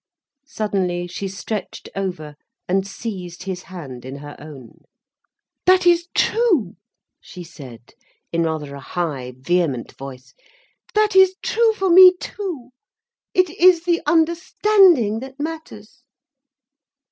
Suddenly she stretched over and seized his hand in her own. "That is true," she said, in rather a high, vehement voice, "that is true for me too. It is the understanding that matters."